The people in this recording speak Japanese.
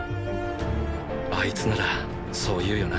あいつならそう言うよな。